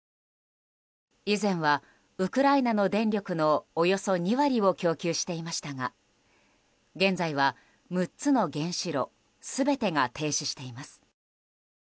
以前は、ウクライナの電力のおよそ２割を供給していましたが現在は、６つの原子炉全てが停止しています。